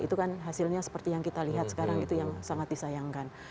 itu kan hasilnya seperti yang kita lihat sekarang itu yang sangat disayangkan